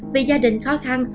vì gia đình khó khăn